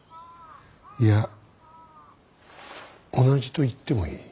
いや同じと言ってもいい。